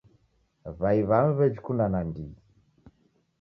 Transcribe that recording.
W'ai w'amu w'ejikunda nandighi.